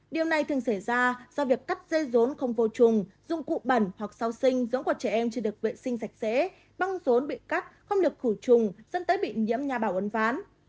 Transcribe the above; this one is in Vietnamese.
điều này thường xảy ra do việc cắt dây rốn không vô trùng dụng cụ bẩn hoặc sau sinh giống của trẻ em chưa được vệ sinh sạch sẽ băng rốn bị cắt không được khử trùng dẫn tới bị nhiễm nhà bảo uấn ván